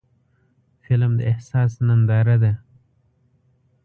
فلم د احساس ننداره ده